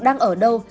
đang ở đâu